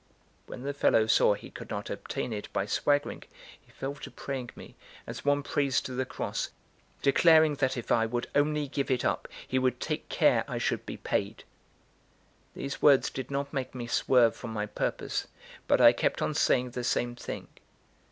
When the fellow saw he could not obtain it by swaggering, he fell to praying me, as one prays to the Cross, declaring that if I would only give it up, he would take care I should be paid. These words did not make me swerve from my purpose; but I kept on saying the same thing.